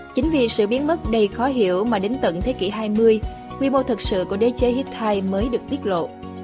chính vì sự biến mất đầy khó hiểu mà đến tận thế kỷ hai mươi quy mô thật sự của đế chế hittite mới được tiết lộ